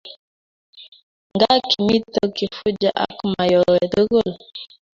nga kimito kifuja ak mayowe tugul